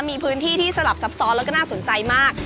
มีพื้นที่ที่สลับซับซ้อนแล้วก็น่าสนใจมาก